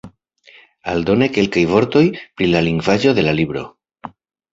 Aldone kelkaj vortoj pri la lingvaĵo de la libro.